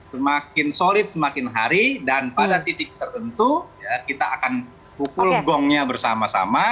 semakin solid semakin hari dan pada titik tertentu kita akan pukul gongnya bersama sama